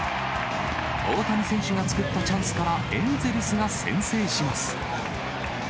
大谷選手が作ったチャンスから、エンゼルスが先制します。